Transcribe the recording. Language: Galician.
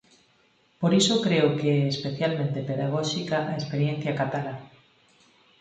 Por iso creo que é especialmente pedagóxica a experiencia catalá.